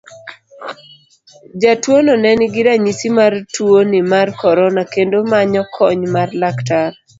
Jatuono ne nigi ranyisi mar tuoni mar korona kendo manyo kony mar laktar.